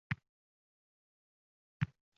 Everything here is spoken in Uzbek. Unga bir narsa ravshan edi